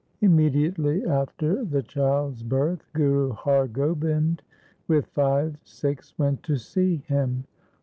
Immediately after the child's birth Guru Har Gobind with five Sikhs went to see him.